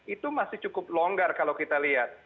itu masih cukup longgar kalau kita lihat